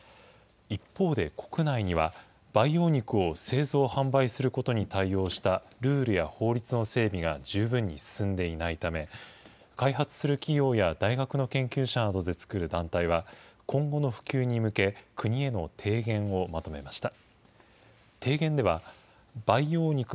一方で、国内には培養肉を製造・販売することに対応したルールや法律の整備が十分に進んでいないため、開発する企業や大学の研究者などで作る団体は、今後の普及に向け、国への提言をまとめました。